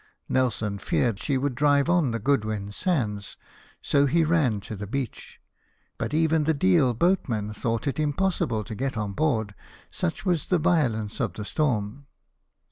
Nelson feared she would drive on the Goodwin Sands ; he ran to the beach ; but even the Deal boatmen thought it impossible to get on board, such was the violence of the storm.